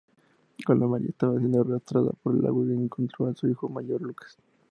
Cuando María estaba siendo arrastrada por el agua encontró a su hijo mayor Lucas.